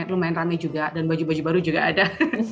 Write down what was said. lumayan rame juga dan baju baju baru juga ada